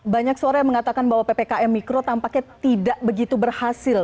banyak suara yang mengatakan bahwa ppkm mikro tampaknya tidak begitu berhasil